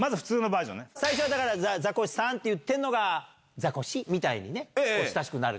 最初は「ザコシさん」って言ってるのが「ザコシ」みたいに親しくなる。